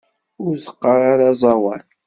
Ur teɣɣar ara aẓawan.